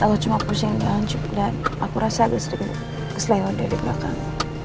aku cuma pusing dan cuplah aku rasa ada sedikit keselihatan di belakang